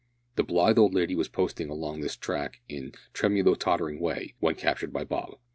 The blithe old lady was posting along this track in a tremulo tottering way when captured by Bob.